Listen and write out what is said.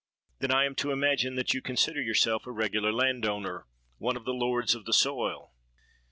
'Then, I am to imagine that you consider yourself a regular landowner, one of the lords of the soil.